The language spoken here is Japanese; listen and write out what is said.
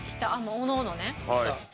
おのおのね。